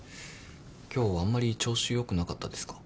今日あんまり調子よくなかったですか？